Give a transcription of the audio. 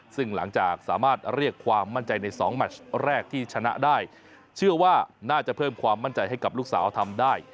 ซึ่งหลังจากสามารถเรียกความมั่นใจในสองแมชแรกที่ชนะได้เชื่อว่าน่าจะเพิ่มความมั่นใจให้กับลูกสาวทำได้